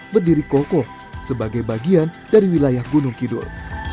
berdiri kokoh sebagai bagian dari wilayah gunung kidul